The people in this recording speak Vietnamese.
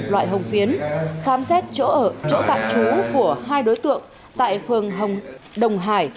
loại hồng phiến khám xét chỗ ở chỗ tạm trú của hai đối tượng tại phường đồng hải